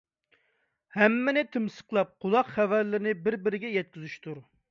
ھەممىنى تىمسىقلاپ قۇلاق خەۋەرلىرىنى بىر - بىرىگە يەتكۈزۈشىدۇ.